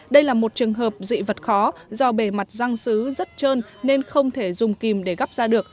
đây là một trường hợp dị vật khó do bề mặt răng xứ rất trơn nên không thể dùng kìm để gắp ra được